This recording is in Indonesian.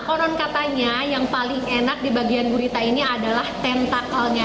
konon katanya yang paling enak di bagian gurita ini adalah tentakalnya